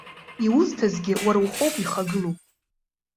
Иузҭазгьы уара ухоуп ихагылоу!